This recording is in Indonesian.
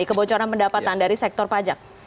kebocoran pendapatan dari sektor pajak